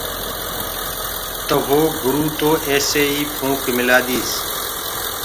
تو وو گُروُ تو ايسي ئي ڦونڪ مِلآ ديس۔